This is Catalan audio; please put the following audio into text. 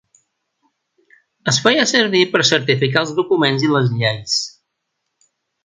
Es feia servir per certificar els documents i les lleis.